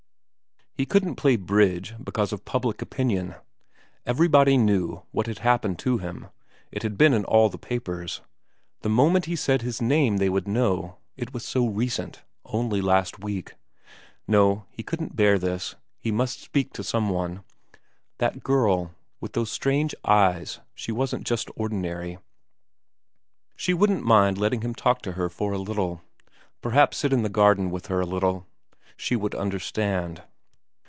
He couldn't play bridge because of public opinion. Everybody knew what had happened to him. It had been in all the papers. The moment he said his name they would know. It was so recent. Only last week. ... No, he couldn't bear this, he must speak to some one. That girl, with those strange eyes she wasn't just ordinary. She wouldn't mind letting him talk to her for a little, perhaps sit in the garden with her a little. She would understand.